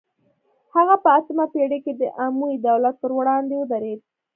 هغه په اتمه پیړۍ کې د اموي دولت پر وړاندې ودرید